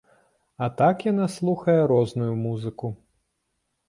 А так яна слухае розную музыку.